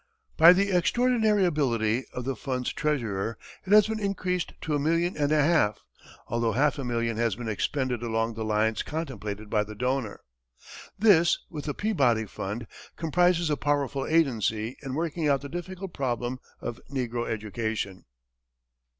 By the extraordinary ability of the fund's treasurer, it has been increased to a million and a half, although half a million has been expended along the lines contemplated by the donor. This, with the Peabody fund, comprises a powerful agency in working out the difficult problem of negro education.